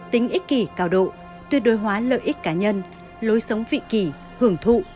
tính ích kỷ cao độ tuyệt đối hóa lợi ích cá nhân lối sống vị kỳ hưởng thụ